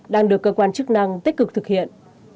đang được cơ quan chức năng tích cực thực hiện